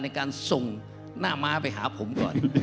ในการส่งหน้าม้าไปหาผมก่อน